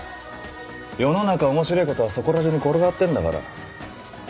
世の中面白ぇことはそこら中に転がってんだから。